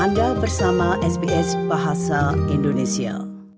anda bersama sbs bahasa indonesia